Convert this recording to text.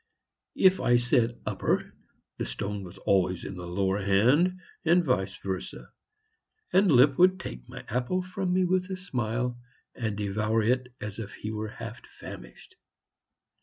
If I said "upper," the stone was always in the lower hand, and vice versa. And Lipp would take my apple from me with a smile, and devour it as if he were half famished.